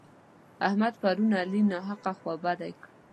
احمد پرون علي ناحقه خوابدی کړ.